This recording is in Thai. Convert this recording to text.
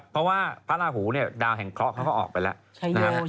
เพราะว่าพระราหูดาวแห่งเคราะห์เขาก็ออกไปแล้ว